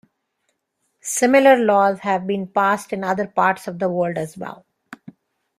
Similar laws have been passed in other parts of the world as well.